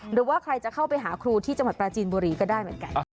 หรือว่าใครจะเข้าไปหาครูที่จังหวัดปราจีนบุรีก็ได้เหมือนกัน